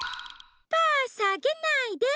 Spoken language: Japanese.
パーさげないで！